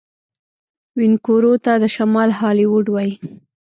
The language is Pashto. وینکوور ته د شمال هالیوډ وايي.